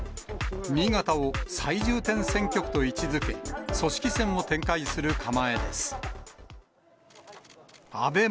新潟を最重点選挙区と位置づけ、組織戦を展開する構えです。